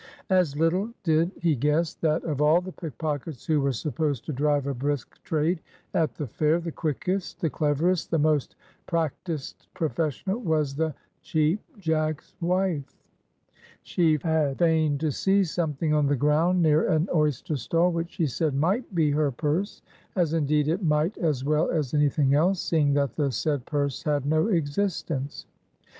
As little did he guess that of all the pickpockets who were supposed to drive a brisk trade at the fair, the quickest, the cleverest, the most practised professional was the Cheap Jack's wife. She had feigned to see "something" on the ground near an oyster stall, which she said "might be" her purse. As indeed it might as well as any thing else, seeing that the said purse had no existence.